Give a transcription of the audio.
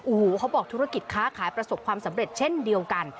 โอ้โหเขาบอกธุรกิจค้าขายประสบความสำเร็จเช่นเดียวกัน